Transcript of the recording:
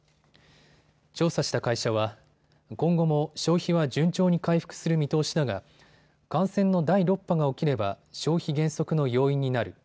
調査した会社は、今後も消費は順調に回復する見通しだが感染の第６波が起きれば消費減速の要因になる。